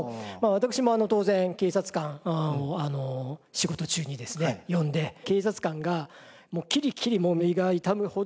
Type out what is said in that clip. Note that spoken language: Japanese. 私も当然警察官を仕事中にですね呼んで警察官がキリキリ胃が痛むほどやりますし。